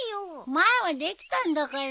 前はできたんだから！